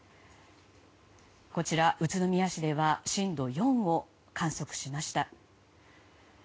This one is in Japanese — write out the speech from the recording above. こちら、宇都宮市では震度４を観測しました。